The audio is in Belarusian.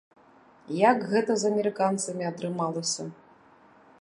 Як гэта з амерыканцамі атрымалася?